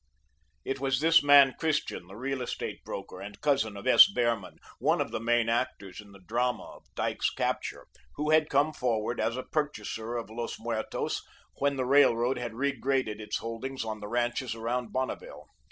It was this man Christian, the real estate broker, and cousin of S. Behrman, one of the main actors in the drama of Dyke's capture, who had come forward as a purchaser of Los Muertos when the Railroad had regraded its holdings on the ranches around Bonneville.